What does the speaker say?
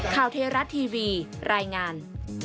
ข่าวเทราะห์ทีวีรายงาน